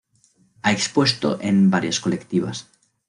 Ha expuesto en varias Colectivas.